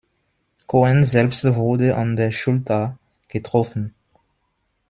Cohen selbst wurde an der Schulter getroffen.